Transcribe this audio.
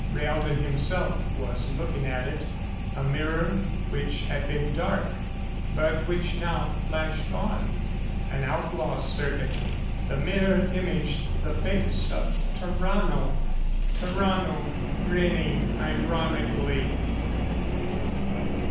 Rhaalton himself was looking at it a mirror which had been dark, but which now flashed on. An outlaw circuit! The mirror imaged the face of Tarrano. Tarrano grinning ironically!